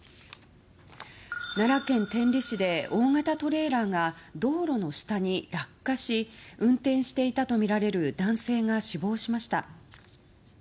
奈良県天理市で大型トレーラーが道路の下に落下し運転していたとみられる男性が死亡しました。